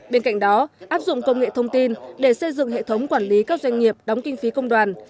bên cạnh đó áp dụng công nghệ thông tin để xây dựng hệ thống quản lý các doanh nghiệp đóng kinh phí công đoàn